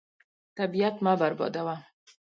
طبیعت مه بربادوه.